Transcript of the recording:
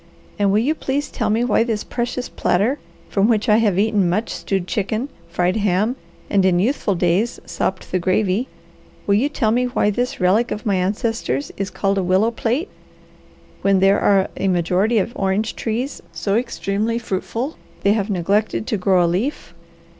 And will you please tell me why this precious platter from which I have eaten much stewed chicken, fried ham, and in youthful days sopped the gravy will you tell me why this relic of my ancestors is called a willow plate, when there are a majority of orange trees so extremely fruitful they have neglected to grow a leaf?